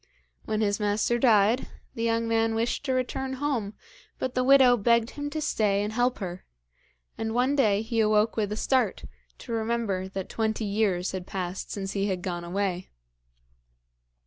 When his master died, the young man wished to return home, but the widow begged him to stay and help her; and one day he awoke with a start, to remember that twenty years had passed since he had gone away.